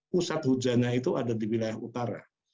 pusat hujannya itu ada di wilayah utara